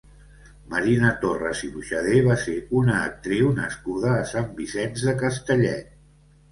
Marina Torres i Buxadé va ser una actriu nascuda a Sant Vicenç de Castellet.